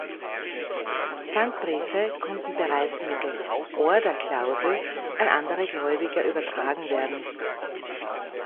Pfandbriefe konnten bereits mittels Orderklausel an andere Gläubiger übertragen werden.